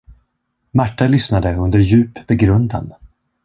Märta lyssnade under djup begrundan.